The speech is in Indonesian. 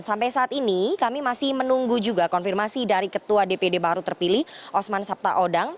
sampai saat ini kami masih menunggu juga konfirmasi dari ketua dpd baru terpilih osman sabta odang